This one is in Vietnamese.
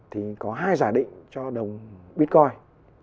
thì có hai giả định cho đồng bitcoin